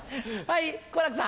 はい。